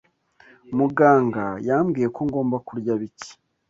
Muganga yambwiye ko ngomba kurya bike.